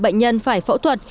bệnh nhân phải phẫu thuật